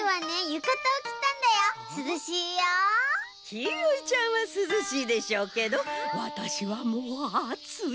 キーウィちゃんはすずしいでしょうけどわたしはもうあつい。